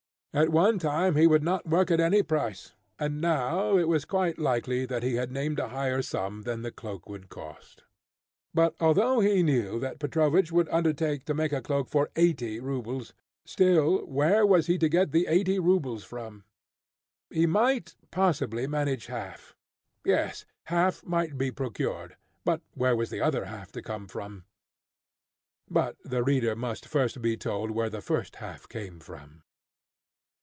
At one time he would not work at any price, and now it was quite likely that he had named a higher sum than the cloak would cost. But although he knew that Petrovich would undertake to make a cloak for eighty rubles, still, where was he to get the eighty rubles from? He might possibly manage half. Yes, half might be procured, but where was the other half to come from? But the reader must first be told where the first half came from.